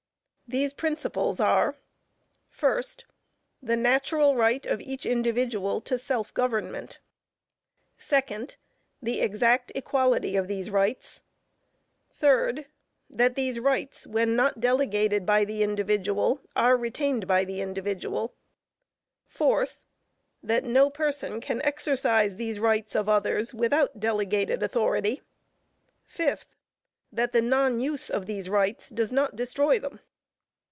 These principles are: First. The natural right of each individual to self government. Second. The exact equality of these rights. Third. That these rights when not delegated by the individual, are retained by the individual. Fourth. That no person can exercise these rights of others without delegated authority. Fifth. That the non use of these rights does not destroy them.